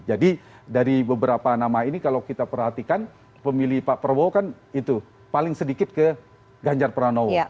jadi dari beberapa nama ini kalau kita perhatikan pemilih pak prabowo kan itu paling sedikit ke ganjar peranowo